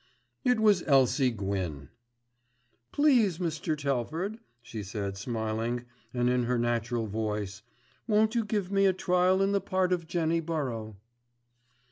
It was Elsie Gwyn. "Please Mr. Telford," she said smiling, and in her natural voice, "won't you give me a trial in the part of Jenny Burrow."